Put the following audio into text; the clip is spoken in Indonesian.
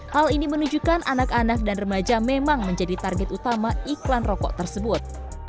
hal ini menunjukkan anak anak dan remaja memang menjadi target utama iklan rokok tersebut